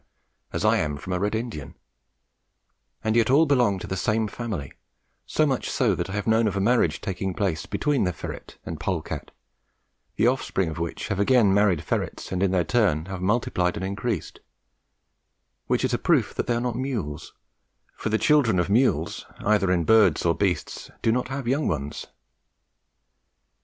as I am from a Red Indian; and yet all belong to the same family, so much so that I have known of a marriage taking place between the ferret and pole cat, the offspring of which have again married ferrets and in their turn have multiplied and increased, which is a proof that they are not mules, for the children of mules, either in birds or beasts, do not have young ones.